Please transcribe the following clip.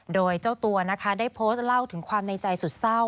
โดยเจ้าตัวนะคะได้โพสต์เล่าถึงความในใจสุดเศร้า